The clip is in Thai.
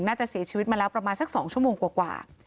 น่าจะเสียชีวิตมาแล้วประมาณสัก๒ชั่วโมงกว่า